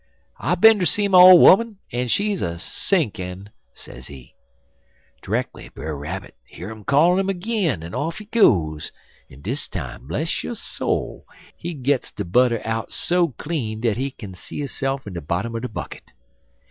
"'I been ter see my ole 'oman, en she's a sinkin',' sezee. "Dreckly Brer Rabbit hear um callin' 'im ag'in en off he goes, en dis time, bless yo' soul, he gits de butter out so clean dat he kin see hisse'f in de bottom er de bucket.